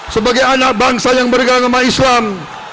sebagai anak bangsa yang bergangga sama islam